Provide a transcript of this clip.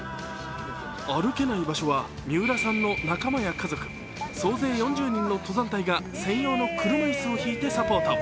歩けない場所は三浦さんの仲間や家族総勢４０人の登山隊が専用の車椅子を引いてサポート。